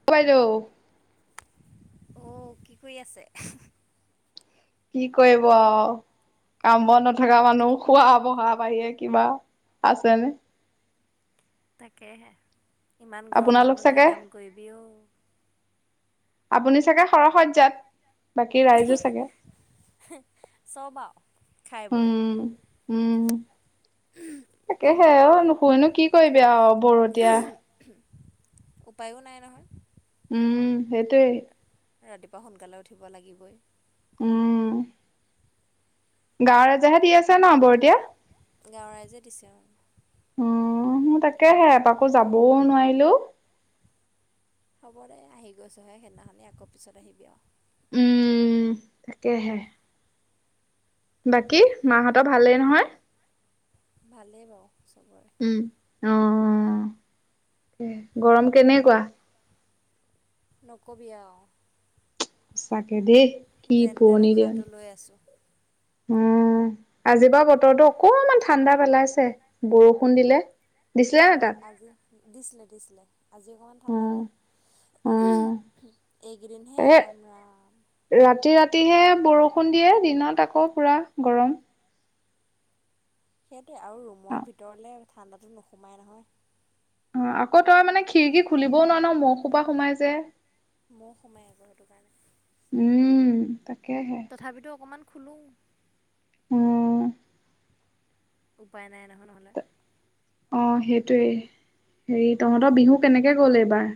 [unintelligible] অ কি কৰি আছে? কি কৰিব আউ কাম-বন নথকা মানুহ খোৱা-বহা বাহিয়ৰে কিবা আছেনে। তাকেহে ইমান আপোনালোক গৰমতনো কি চাগে কাম কৰিবি অ। আপুনি চাগে সৰহসজ্জাত বাকী ৰাইজো চাগে [unintelligible] চব আৰু খাই বৈ। উম উম তাকেহে অ নুশুইনো কি কৰিবি আৰু বৰতীয়া উপায়ো নাই নহয়। উম সেইটোৱে। ৰাতিপুৱা সোনকালে উঠিব লাগিবই। উম। গাঁৱৰ [unintelligible] দি আছে ন বৰতীয়া। গাঁৱৰ ৰাইজে দিছে আৰু। উম তাকেহে তাকো যাবও নোৱাৰিলো। হ'ব দে আহি গৈছোহে সেইদিনাখনি আকৌ পিছত আহিবি আৰু। উম তাকেহে। বাকী মাহঁতৰ ভালেই নহয়? ভালেই বাৰু চবৰে। উম অ গৰম কেনেকুৱা? নকবি আৰু। সঁচাকে দেই। কি যেনতেন পুৰণি দিন। উশাহটো লৈ আছোঁ। উম আজি বাৰু বতৰতো অকনমান ঠাণ্ডা পেলাইছে। বৰষুণ দিলে, দিছিলে ন অ' তাত। আজি দিছিলে দিছিলে আজি অকণমান ঠাণ্ডা বাৰু। এইকদিনহে এ ৰাম ৰাম। ৰাতি ৰাতিহে বৰষুণ দিয়ে দিনত আকৌ পুৰা গৰম। সেইটোৱে আৰু ৰুমৰ ভিতৰলৈ ঠাণ্ডাটো নোসোমায় নহয়। অ আকৌ তই মানে খিৰিকী খুলিবও নোৱাৰ ন মহোপা সোমাই যে। ময়ো সোমাই আকো সেইটো কাৰণে উম তাকেহে। তথাপিতো অকণমান খুলুং। উ উপায় নাই নহয় নহ'লে। অ সেইটোৱে। হেৰি তহঁতৰ বিহু কেনেকে গ'ল এইবাৰ?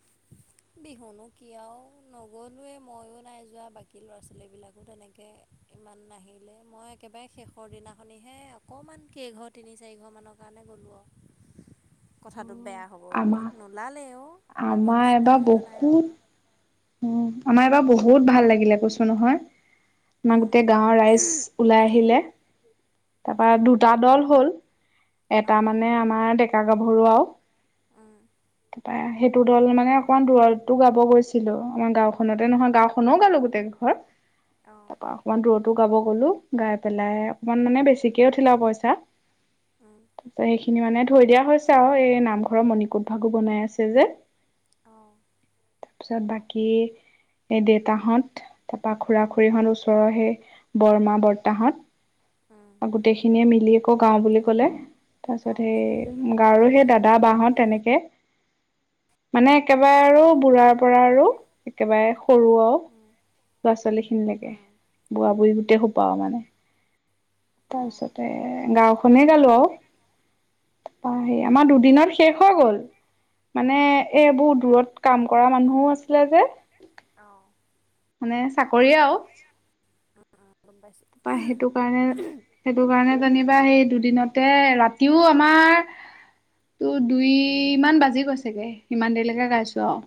[unintelligible] বিহুনো কি আৰু, নগলোৱে ময়ো নাই যোৱা বাকী ল'ৰা-ছোৱালীবিলাকো তেনেকে ইমান নাহিলে। মই একেবাৰে শেষৰ দিনাখনিহে অকমান কেইঘ তিনি চাৰিশমানৰ কাৰণে গ'লোঁ আৰু। [inaudible] কথাটো বেয়া হ'ব বুলি। আমাৰ নোলালে অ আগৰ আমাৰ নিচিনা এবাৰ হেৰিটো নাই আৰু। বহুত উম আমাৰ এবাৰ বহুত ভাল লাগিলে কৈছো নহয় আমাৰ উম। গোটেই গাঁৱৰ ৰাইজ ওলাই আহিলে। তাৰপৰা দুটা দল হ'ল এটা অঁ মানে আমাৰ ডেকা গাভৰু আও উম পা সেইটো দল মানে অকণমান দূৰৰতো গাব গৈছিলোঁ আমাৰ গাঁওখনতে নহয় গাঁওখনো গালোঁ গোটেই কেইঘৰ [inaudible] অঁ তাপা অকণমান দূৰতো গাব গলো গাই পেলাই অকমান মানে বেছিকে উঠিলে আৰু পইচা। উম তাছত সেইখিনি মানে থৈ দিয়া হৈছে আৰু এই নামঘৰৰ মণিকুট ভাগো বনাই আছে যে। অ তাৰপিছত বাকী এই দেতাহঁত, তাপা খুড়া খুড়ীহঁত ওচৰৰ সেই বৰমা বৰতাহঁত উম গোটেইখিনিয়ে মিলি আকৌ গাওঁ বুলি ক'লে। তাৰ পিছত অঁ সেই গাঁৱৰ সেই দাদা, বাহত তেনেকে মানে একেবাৰে আৰু অঁ বুঢ়াৰ পৰা আৰু একেবাৰে সৰু আৰু উম ল'ৰা-ছোৱালীখিনিলৈকে উম বুঢ়া বুঢ়ী গোটেই সোপাও মানে। তাৰ অঁ পিছতে গাওঁ - খনেই গালো আৰু তাপা উম সেৰি আমাৰ দুদিনত শেষ হৈ গ'ল। মানে এইবোৰ দূৰত কাম কৰা মানুহও আছিলে যে। অ মানে চাকৰিয়ে আও অ গম পাইছোঁ। তাপা সেইটো কাৰণে সেইটো কাৰণে যেনিবা সেই দুদিনতে ৰাতিও আমাৰ তো দুইমান বাজি গৈছেগে ইমান দেৰিলৈকে গাইছো আও।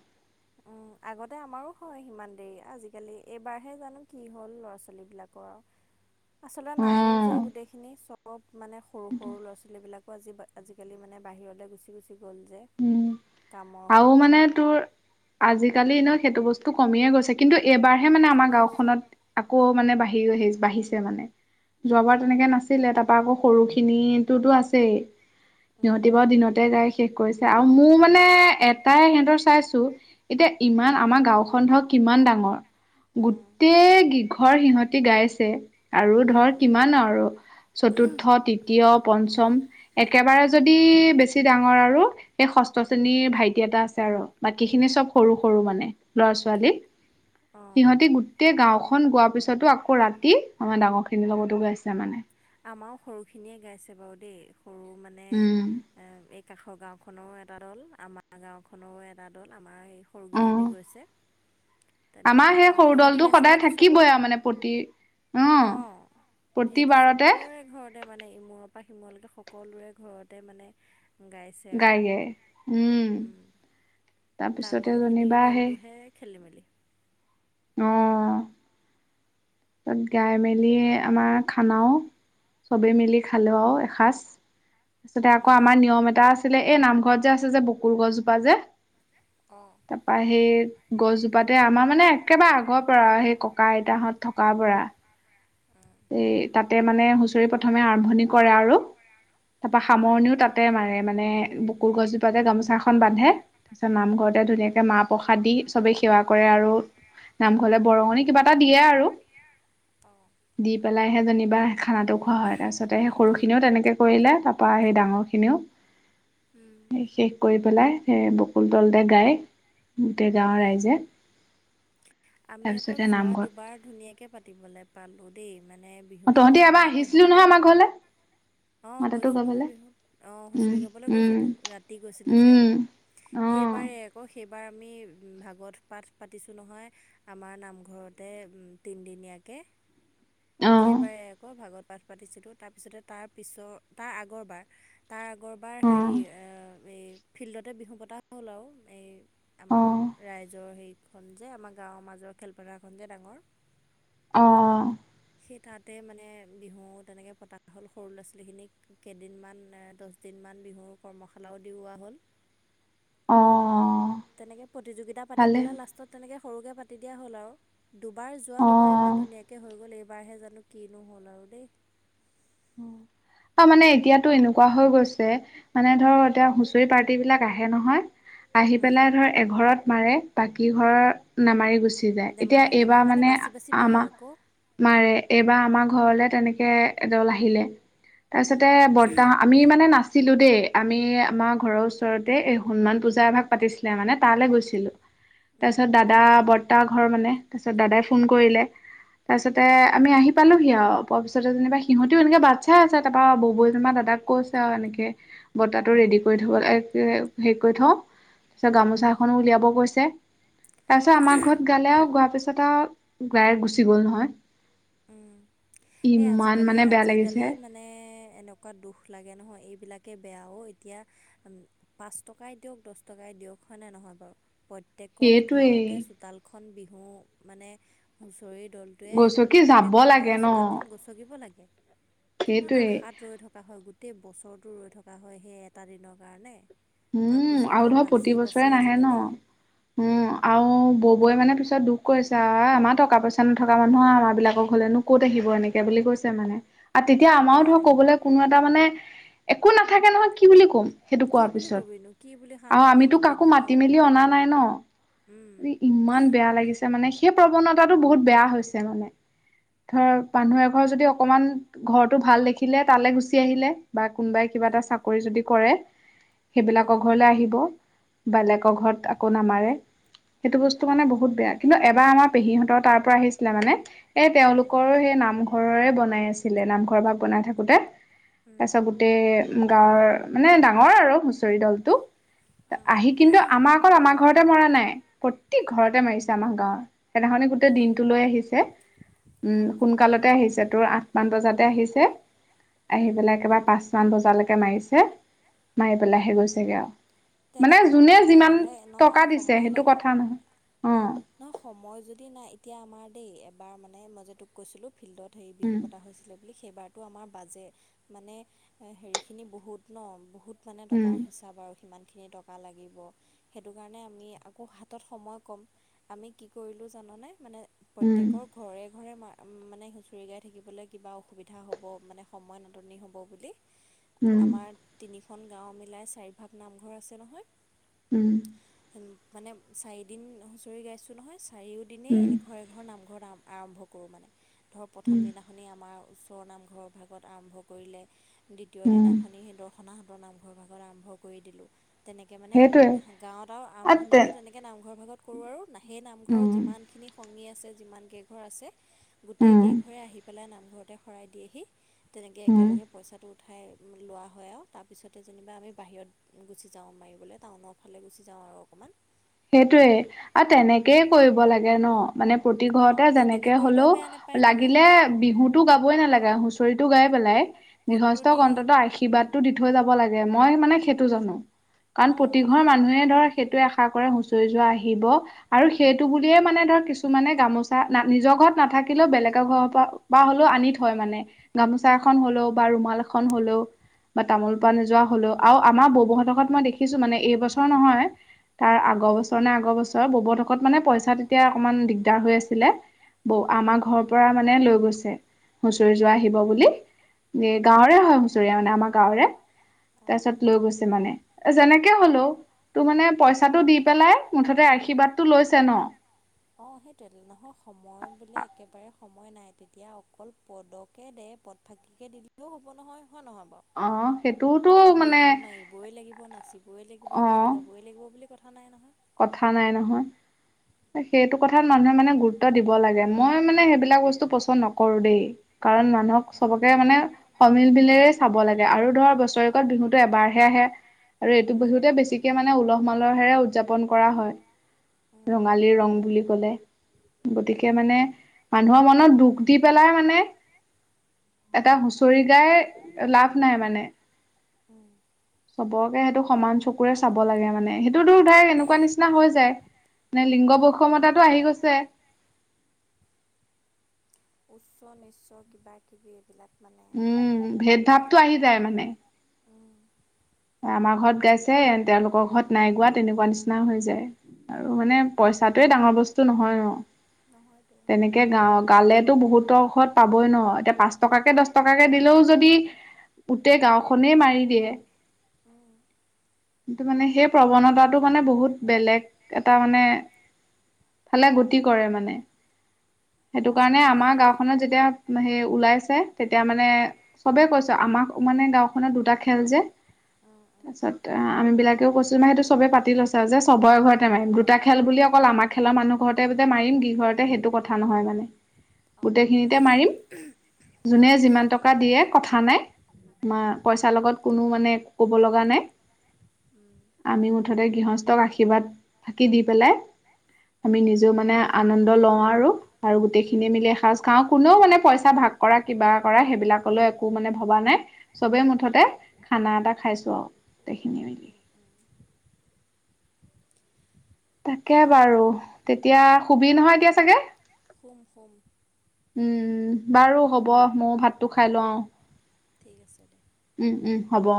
উম আগতে আমাৰো হয় সিমান দেৰি আজি-কালি এইবাৰহে জানো কি হ'ল ল'ৰা ছোৱালীবিলাকৰ আৰু [inaudible] আচলতে নাইও যে অ', গোটেইখিনি চব মানে সৰু সৰু ল'ৰা ছো- ৱালী বিলাকো আজি আজি-কালি মানে বাহিৰলে গুচি গুচি গ'ল যে। উম কামৰ আৰু সূত্ৰে। মানে তোৰ আজি-কালি এনেও সেইটো বস্তু কমিয়ে গৈছে কিন্তু এইবাৰহে মানে আমাৰ কমি গৈছে গাঁওখনত আকৌ মানে বাঢ়ি আহি বাঢ়িছে মানে যোৱাবাৰ অ। তেনেকে নাছিলে তাত পা আকৌ সৰু খিনিতোটো আছেই সিহঁতি উম, বাৰু দিনতে গাই শেষ কৰিছে আৰু মোৰ মানে এটাই সিহঁতৰ চাইছো এতিয়া ইমান আমাৰ গাওঁখন ধৰক কিমান ডাঙৰ উম, গোটেই কিঘৰ সিহঁতি গাইছে আৰু উম, ধৰ উম, কিমান আৰু চতুৰ্থ, তৃতীয়, পঞ্চম একেবাৰে যদি বেছি ডাঙৰ আৰু সেই ষষ্ঠ শ্ৰেণীৰ ভাই- টি এটা আছে আৰু বাকী খিনি চব সৰু সৰু মানে ল'ৰা ছোৱালী। অ সিহঁতি গোটেই গাঁওখন গোৱাৰ পিছতো আকৌ ৰাতি আমাৰ ডাঙৰখিনিৰ লগতো গাইছে মানে। আমাৰো সৰুখিনিয়ে গাইছে বাৰু দেই সৰু মানে উম এ এক- কাষৰ গাঁওখনৰো এটা দল, আমাৰ গাঁওখনৰো এটা দল আমাৰ এই সৰুকেইজনী অ গৈছে। আমাৰ সেই তেনেকৈ সৰু সিহঁতি দলটো গাইছে সদায় থাকিবই আৰু মানে প্ৰতিৰ অ সিহঁতি চব- ৰে ঘৰতে মানে ইমূৰ পৰা সিমূৰলৈকে সকলোৰে ঘৰতে মানে গাইছে গাই আৰু গাই উম। তাৰপিছতে ডাঙৰখিনি যেনিবা সেই দলটোহে খেলি মেলি। অঁ অ। গাই মেলিয়ে আমাৰ খানাও- চবেই মিলি খালো আও এসাঁজ। তাতে আকৌ উম, আমাৰ নিয়ম এটা আছিলে এই নামঘৰত যে আছে যে বকুল গছজোপা যে- অঁ। তাপা সেই গছজোপাতে আমাৰ মানে একেবাৰে আগৰ পৰা সেই ককা আইতাহঁত থক কা পৰা। অঁ এই তাতে মানে হুঁচৰি প্ৰথমে আৰম্ভণি কৰে আৰু তাপা অঁ সামৰণিও তাতে মাৰে। মানে বুকুৰ গছজোপাতে গামোচা এখন বান্ধে তাৰ পিছত নামঘৰতে ধুনীয়াকে মাহ প্ৰসাদ দি চবেই সেৱা কৰে আৰু নামঘৰলে বৰঙণি কিবা এটা দিয়ে আৰু। অঁ। দি পেলাইহে যেনিবা খানাটো খোৱাা হয় তাৰ পিছতেহে সৰু- খিনিও তেনেকে কৰিলে তা পা সেই ডাঙৰ উম খিনিয়েও- কৰি পেলাই সেই বকুল তলতে গায় গোটেই গাঁৱৰ উম ৰাইজে। আমি আকৌ তাৰপিছতে যোৱা নামঘৰত দুবাৰ ধুনীয়াকৈ পাতিবলৈ পালোঁ দেই মানে অ তহঁতি বিহুখনো এবাৰ ধুনীয়াকৈ আহিছিলো হৈ নহয় গ'ল। আমাৰ ঘৰলে অঁ মই তাতো গৈছোঁ নহয় গাবলে বিহুত অঁ উম হুঁচৰি গাবলৈ উম গৈছোঁতো ৰাতি গৈছিলোঁ যে। উম সেইবাৰেই অ আকৌ সেইবাৰ আমি ভাগৱত পাঠ পাতিছোঁ নহয়- আমাৰ নামঘৰতে তিনিদিনীয়াকে। অ সেইবাৰেই আকৌ ভাগত পাঠ পাতিছিলোঁ তাৰপিছতে তাৰ পিছৰ তাৰ আগৰবাৰ- তাৰ আগৰবাৰ অ হেৰি এই ফিল্ডতে বিহু পতা হ'ল আৰু এই- আমাৰ অ ৰাইজৰ হেইতখন যে আমাৰ গাঁৱৰ মাজৰ খেলপথাৰখন যে ডাঙৰ- অঁ অ। সেই তাতে মানে বিহু তেনেকে পতা হ'ল সৰু ল'ৰা ছোৱালীখিনিক কেইদিনমান এ দচ- দিনমান বিহুৰ কৰ্মশালাও দিওৱা হ'ল। [unintelligible] অ', তেনেকে প্ৰতিযোগিতা পাতি ভালে পেলাই লাষ্টত তেনেকে সৰুকে পাতি দিয়া হ'ল আৰু। দুবাৰ অ', যোৱা দুবাৰ ইমান ধুনীয়াকে হৈ গ'ল এইবাৰহে জানো কিনো হ'ল আৰু দেই। অ মানে এতিয়াতো এনেকুৱা হৈ গৈছে মানে ধৰ এতিয়া হুঁচৰি পাৰ্টি বিলাক- আহে নহয় আহি উম, পেলাই ধৱ এঘৰত মাৰে বাকী ঘৰ নামাৰি গুচি- এতিয়া নেমাৰে নেমাৰে এইবাৰ মানে বাচি বাচি মাৰে আমা- আকৌ মাৰে এইবাৰ আমাৰ ঘৰলে তেনেকে এ দল আহিলে। উম, তাপিছতে বৰ্তাহ আমি মানে নাচ- ছিলো দেই আমি আমাৰ ঘৰৰ ওচৰতে এই হনুমান পূজাএভাগ পাতিছিলে মানে তালে গৈছিলো। উম, তাপিছত দাদা বৰ্তা ঘৰ মানে তাৰপিছত দাদাই ফোন কৰিলে- তাপিছতে আমি আহি পালোহি আও পোৱা পিছতে যেনিবা সিহত- টিও এনেকে বাত ছাই আছে তাপা ববৌৱে জেনেবা দাদাক কৈছে আৰু এনেকে- বতাটো ৰেডি কৰি থব লাগ হেৰি কৰি থওঁ- ছ গামোচা এখনো উলিয়াব গৈছে তাৰপিছত আমাৰ ঘৰত গালে গোৱাৰ পিছ- ছত আও গোৱাই গুচি গ'ল নহয় উম। এই ইমান আজিকালি মানে- বেয়া লাগিছে আজিকালি মানে এনেকুৱা দুখ লাগে নহয় এইবিলাকেই বেয়াও এতিয়া- পাঁচ টকাই দিয়ক দচ টকাই দিয়ক হয়নে নহয় বাৰু। প্ৰত্যেকৰ সেইটোৱেই ঘৰতে চোতালখন বিহু মানে হুঁচৰি দ'লটোৱে- গছকি যাব প্ৰত্যেকৰ লাগে ঘৰৰ ন চোতালখন গছগিব লাগে কিমান সেইটোৱে আশাত ৰৈ থকা হয় গোট- টেই বছৰটো ৰৈ থকা হয়, সেই এটা দিনৰ কাৰণে উম আৰু তাৰপিছতো ধৰ প্ৰতি বছৰে বাচি-বাচি নাহে আজিকালি। ন উম, আউ ববৌয়ে মানে পিছত দুখ কৰিছে আ আমাৰ টকা-পইচা নথকা মানুহ আমাৰ বিলাক ঘলেনো ক'ত আহিব এনেকে বুলি কৈছে মানে। আ তেতিয়া আমাও বেয়া ধৰ লাগে কবলে কোনো এটা মানে একো নাথাকে নহয় কি বুলি কম সেইটো কি কোৱাৰ বুলি পিছত। ক'বিনো কি বুলি আউ সান্তনা আমিতো কাকো দিবিনো ন মাতি, মেলি অনা নাই ন। উম উই ইমান বেয়া লাগিছে মানে সেই প্ৰৱণতাটো বহুত বেয়া হৈছে মানে। ধৰ মানুহ এঘৰ যদি অকমান ঘৰটো ভাল দেখিলে তালে গুচি আহিলে বা কোনবাই কিবা এটা উম চাকৰি যদি কৰে। সেইবিলাক উম ঘৰলে আহিব বেলেগৰ ঘৰত আকৌ নামাৰে,। সেইটো বস্তু মানে বহুত বেয়া। কিন্তু এবাৰ আমাৰ পেহীহঁতৰ তাৰ পৰা আহিছিলে মানে এ তেওঁলোকৰো সেই নাম। ঘৰৰে বনাই আছিলে নামঘৰৰ ভাগ বনাই থাকোতে উম তাৰছ গো তে গাঁৱৰ মানে ডাঙৰ আৰু হুচৰি দলটো উম আহি কিন্তু আমাৰ অকল আমাৰ ঘৰতে মৰা নাই প্ৰতি ঘৰতে মাৰিছে আমাৰ গাঁৱৰ সেইদিনাখনি গোটেই দিনটো লৈ আহিছে উম অঁ সোনকালতে আহিছে তোৰ আঠ মান বজাতে আহিছে আহি উম পেলাই একেবাৰে পাঁচমান বজালেকে মাৰিছে মাৰি পেলাইহে গৈছেগে আউ মানে তেনেকুৱা হ'ব যোনে লাগে যিমান হ'লে টকা নহয় দিছে সেইটো কথা নহ অ ন সময় যদি নাই এতিয়া আমাৰ দেই এবাৰ মানে মই যে তোক কৈছিলোঁ। ফিল্ডত হেই বিহু উম, পতা হৈছিলে। বুলি সেইবাৰটো আমাৰ বাজে মানে এ হেৰিখিনি বহুত ন বহুত। মানে উম, টকাৰ হিচাপ আৰু সিমান। খিনি টকা লাগিব, সেটো কাৰণে আমি আকৌ হাতত সময় ক'ম। আমি কি কৰিলো জানানে মানে উম, প্ৰত্যেকৰ। ঘৰে-ঘৰে মা মানে হুঁচৰি গাই থাকিবলে কিবা অসুবিধা হ'ব মানে সময় নাটনি হ'ব বুলি। [unintelligible] আমাৰ তিনিখন গাঁও মিলাই চাৰিভাগ নামঘৰ আছে নহয়। উম। উম মানে চাৰিদিন হুঁচৰি গাইছোঁ নহয় চাৰিওদিনেই উম, এঘ এ ঘৰ নামঘৰত আৰম্ভ কৰোঁ মানে ধৰ উম, প্ৰথম দিনা। খনি আমাৰ ওচৰ নামঘৰৰ ভাগত আৰম্ভ কৰিলে, দ্বিতীয় উম, দিনাখনি সেই দখ খনা হতৰ নামঘৰ ভাগত আৰম্ভ কৰি দিলোঁ তেনেকে মানে উম সেইটোৱে আহ গাঁৱত আৰু আৰম্ভণিটো তেনেকে এনেকে নামঘৰ ভাগত কৰো আৰু না সেই নামঘৰ উম, যিমানখিনি সঙী আছে যিমান কেইঘৰ আছে। গোটেই উম, কেইঘৰে আহি পেলাই নামঘৰতে শৰাই দিয়েহি তেনেকে উম। একেলগে। পইচাটো উঠাই লোৱা হয়, আউ তাৰপিছতে যেনিবা আমি বাহিৰত গুচিঁ। যাওঁ মাৰিবলে টাউনৰ ফালে গুচি যাওঁ আৰু অকমান। সেইটোৱে আউ তেনেকেই কৰিব লাগে ন মানে প্ৰতি অঁ ঘৰতে তেনেকৈ যেনেকে কৰিলেও হলও। বেয়া নাপায় নহয় লাগিলে বিহুটো গাবই নালাগে হুঁচৰিটো গাই পেলাই পদটো দি গৃহস্থক অন্ততঃ আশী কিবাদো দি থৈ যাব লাগে মই মানে সেইটো জানো, কাৰণ অঁ প্ৰতি ঘৰ মানুহে ধৰ সেইটোৱে আশা কৰে হুঁচৰি যোৱা আহিব। আৰু সেইটো বুলিয়ে মানে ধৰ কিছুমানে গামোচা না নিজৰ ঘৰত নাথাকিলেও বেলেগৰ ঘৰৰ পৰা। বা হ'লও আনি থয় মানে গামোচা উম এখন হলও বা ৰুমাল এখন হলও। বা তামোল এযোৱা হ'লও আউ আমাৰ বৌবৌহতৰ ঘৰত মই দেখিছোঁ মানে এইবছৰ নহয়। তাৰ আগৰ উম বছৰ নে আগৰ বছৰ ববহতৰ মানে পইচা তেতিয়া অকমান দিগদাৰ হৈ আছিলে। বৌ উম আমাৰ ঘৰৰ পৰা মানে লৈ গৈছে হুঁচৰি যোৰা আহিব বুলি এ অঁ গাঁৱৰে হয় হুচৰি মানে আমাৰ গাঁৱৰে অঁ তাৰপিছত লৈ গৈছে মানে এ যেনেকে হলেও তোৰ মানে পাইচ পইচাটো দি পেলাই মুঠতে আশীৰ্বাদটো লৈছে ন অ সেইটোৱে নহয় সময় বোলে একেবাৰে সময় নাই তেতিয়া অকল পদকে দে পদ ফাকিকে দি দিলেও হ'ব নহয় হয় নহয় অ সেইটোওতো বাৱ মানে বিহু মাৰিবই লাগিব নাচিবই লাগিব অ গান গাবই লাগিব বুলি কথা নাই নহয় কথা নাই নহয় সেইটো কথাত মানুহে মানে গুৰুত্ব দিব লাগে মই মানে সেইবিলাক বস্তু পচন্দ নকৰো দেই কাৰণ মানুহক চবকে মানে সমিল মিলেৰে চাব লাগে আৰু ধৰ বছৰেকত বিহুটো এবাৰহে আহে আৰু এইটো উম বিহুতে বেছিকে মানে উলহ মালহহেৰে উদযাপন কৰা হয় উম ৰঙালীৰ ৰং বুলি ক'লে গতিকে উম মানে মানুহৰ মনত দুখ দি পেলাই মানে এটা হুঁচৰি গাই লাভ নাই মানে উম চবকে সেইটো সমান চকুৰে চাব লাগে মানে সেইটো ধাই এনেকুৱা নিচিনা হৈ যায় নে লিংগ বৈষমতাটো আহি গৈছে উচ্চ-নিশ্চ কিবা-কিবি এইবিলাক মানে উম ভেদ বেয়া ভাৱটো কথা আহি যায় মানে উম আমাৰ ঘৰত গাইছে তেওঁলোকৰ ঘৰত নাই গোৱা তেনেকুৱা নিচিনা হৈ যায় আৰু মানে পইচাটোয়ে ডাঙৰ বস্তু নহয় ন নহয়তো তেনেকে গা গালেতো বহুতৰ ঘৰত পাবই ন এতিয়া পাঁচ টকাকে দহ টকাকে দিলেও যদি গোটেই গাঁওখনেই মাৰি দিয়ে উম কিন্তু মানে সেই প্ৰৱণতাটো মানে বহুত বেলেগ এটা মানে ফালে গতি কৰে মানে সেইটো কাৰণে আজিকালি আমাৰ গাঁওখনত যেতিয়া সেই ওলাইছে তেতিয়া মানে চবেই কৈছে আমাক মানে গাঁওখনত দুটা খেল যে উম উম তাৰপিছত আমি বিলাকেও কৈছো মানে সেইটো পাতি লৈছে আৰু যে চবৰে ঘৰতে মাৰিম দুটা খেল বুলি অকল আমাক খেলা মানুহ ঘৰতে যে মাৰিম দুই ঘৰতে সেইটো কথা নহয় মানে গোটেইখিনিতে মাৰিম যোনে যিমান টকা দিয়ে কথা নাই মা পইচাৰ লগত কোনো মানে ক'ব লগা নাই উম আমি মুঠতে গৃহস্থক আশীৰ্বাদ ফাকি দি পেলাই আমি নিজেও মানে আনন্দ লওঁ আৰু আৰু গোটেইখিনিয়ে মিলি এসাজ খাওঁ কোনেও মানে পইচা ভাগ কৰা কিবা কৰা সেইবিলাকলৈ একো মানে ভবা নাই চবেই মুঠতে খানা এটা খাইছো আৰু গোটেইখিনি মিলি তাকে বাৰু তেতিয়া শুবি নহয় এতিয়া চাগে শুম শুম উম বাৰু হ'ব ময়ো ভাতটো খাই লও ঠিক আছে দে উম উম হ'ব অ